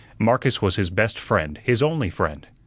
Marcus was his best friend, his only friend.